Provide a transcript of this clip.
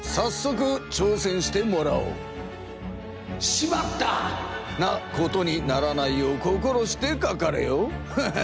「しまった！」なことにならないよう心してかかれよ。